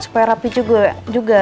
supaya rapih juga